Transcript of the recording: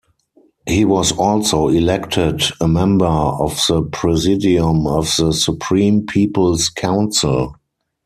He was also elected a member of the Presidium of the Supreme People's Council.